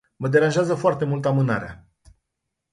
Mă deranjează foarte mult amânarea.